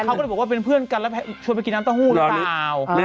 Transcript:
เขาก็เลยบอกว่าเป็นเพื่อนกันแล้วชวนไปกินน้ำเต้าหู้หรือเปล่า